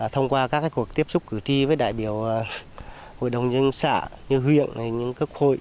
thông qua các cuộc tiếp xúc cử tri với đại biểu hội đồng nhân xã như huyện những cấp hội